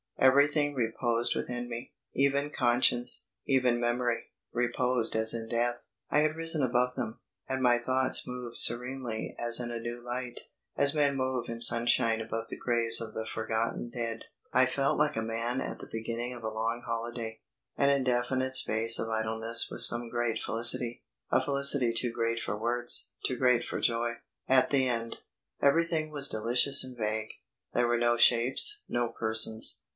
Everything reposed within me even conscience, even memory, reposed as in death. I had risen above them, and my thoughts moved serenely as in a new light, as men move in sunshine above the graves of the forgotten dead. I felt like a man at the beginning of a long holiday an indefinite space of idleness with some great felicity a felicity too great for words, too great for joy at the end. Everything was delicious and vague; there were no shapes, no persons.